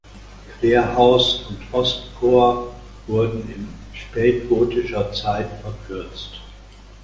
Querhaus und Ostchor wurden in spätgotischer Zeit verkürzt.